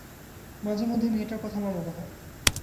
মাঝেমাঝেই মেয়েটার কথা আমার মনে হয়।